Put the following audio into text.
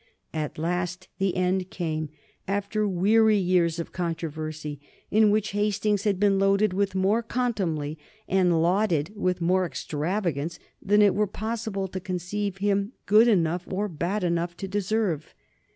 At last the end came after weary years of controversy, in which Hastings had been loaded with more contumely and lauded with more extravagance than it were possible to conceive him good enough or bad enough to deserve.